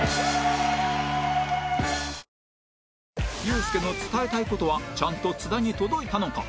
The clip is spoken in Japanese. ユースケの伝えたい事はちゃんと津田に届いたのか？